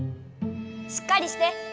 しっかりして！